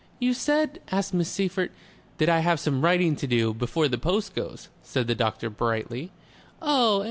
"You said ?" asked Miss Seyffert. "That I have some writing to do before the post goes," said the doctor brightly. "Oh!